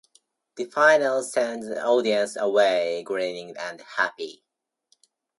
The finale sends audiences away grinning and happy.